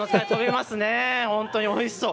本当においしそう。